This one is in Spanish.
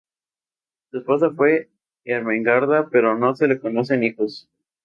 Su esposa fue Ermengarda, pero no se le conocen hijos.